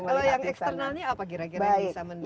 kalau yang eksternalnya apa kira kira bisa mendukung